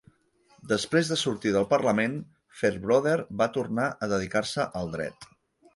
Després de sortir del Parlament, Fairbrother va tornar a dedicar-se al dret.